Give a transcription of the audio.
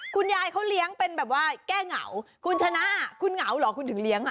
คุณยายเขาเลี้ยงเป็นแบบว่าแก้เหงาคุณชนะคุณเหงาเหรอคุณถึงเลี้ยงอ่ะ